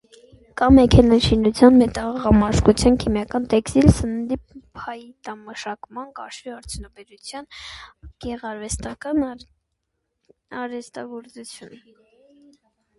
Կա մեքենաշինություն, մետաղամշակություն, քիմիական, տեքստիլ, սննդի, փայտամշակման, կաշվի արդյունաբերություն, գեղարվեստական արհեստագործություն։